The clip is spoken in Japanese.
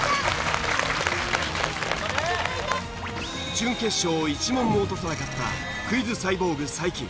準決勝を一問も落とさなかったクイズサイボーグ才木。